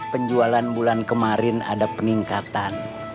penjualan bulan kemarin ada peningkatan